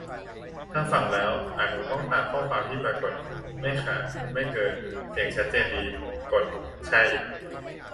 - ถ้าฟังแล้ว อ่านถูกต้องตามข้อความที่ปรากฏ ไม่ขาด ไม่เกิน เสียงชัดเจนดี กด "ใช่"